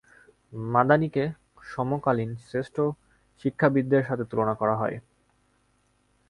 মাদানিকে সমকালীন শ্রেষ্ঠ শিক্ষাবিদদের সাথে তুলনা করা হয়।